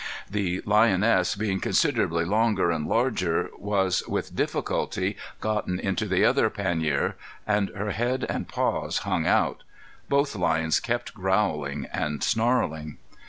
The lioness being considerably longer and larger, was with difficulty gotten into the other pannier, and her head and paws hung out. Both lions kept growling and snarling.